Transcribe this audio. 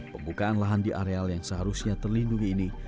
pembukaan lahan di areal yang seharusnya terlindungi ini